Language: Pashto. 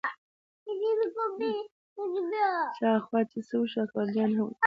شاوخوا لاړه چې څه وشول، اکبرجان هم وکتل.